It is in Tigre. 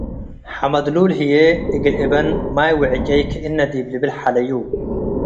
ሐመድ ሉል ህዬ፡ እግል እበን፡ ማይ ወዕጨይ ክእነ ዲብ ልብል ሐለዩ፤